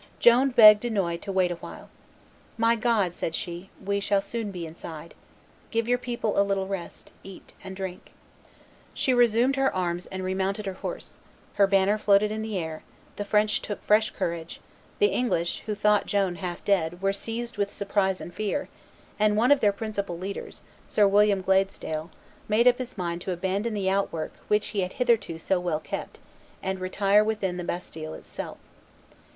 Joan begged Dunois to wait a while. "My God," said she, "we shall soon be inside. Give your people a little rest; eat and drink." She resumed her arms and remounted her horse; her banner floated in the air; the French took fresh courage; the English, who thought Joan half dead, were seized with surprise and fear; and one of their principal leaders, Sir William Gladesdale, made up his mind to abandon the outwork which he had hitherto so well kept, and retire within the bastille itself.